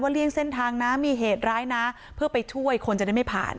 เลี่ยงเส้นทางนะมีเหตุร้ายนะเพื่อไปช่วยคนจะได้ไม่ผ่าน